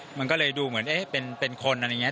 มันก็เลยดูเหมือนเป็นคนอะไรอย่างนี้